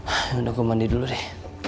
ayokah gue mandi dulu rey